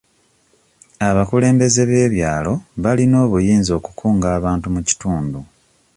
Abakulembeze b'ebyalo balina obuyinza okukunga abantu mu kitundu.